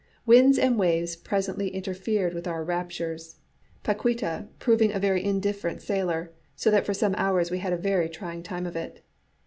Winds and waves presently interfered with our raptures, Paquíta proving a very indifferent sailor, so that for some hours we had a very trying time of it.